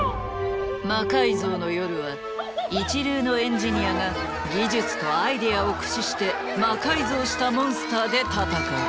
「魔改造の夜」は一流のエンジニアが技術とアイデアを駆使して魔改造したモンスターで戦う。